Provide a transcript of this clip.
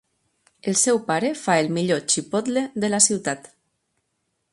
El seu pare fa el millor xipotle de la ciutat!